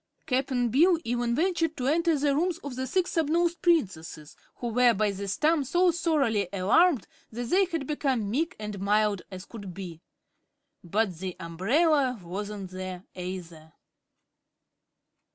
Cap'n Bill even ventured to enter the rooms of the Six Snubnosed Princesses, who were by this time so thoroughly alarmed that they had become meek and mild as could be. But the umbrella wasn't there, either.